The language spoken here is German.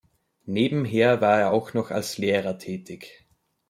Nebenher war er auch noch als Lehrer tätig.